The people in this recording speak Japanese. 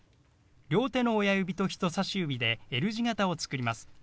両手の親指と人さし指でＬ字型を作ります。